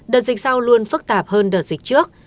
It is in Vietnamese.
đợt dịch sau luôn phức tạp hơn đợt dịch trước